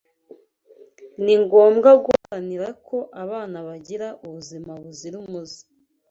ni ngombwa guharanira ko abana bagira ubuzima buzira umuze